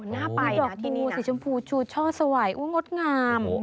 เออน่าไปน่ะที่นี่นะดอกบูสีชมพูชูเชาะสว่ายอุ้ยงดงาม